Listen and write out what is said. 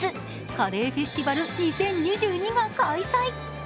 カレーフェスティバル２０２２が開催。